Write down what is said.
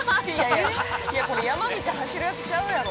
◆いや、これ、山道走るやつちゃうやろ。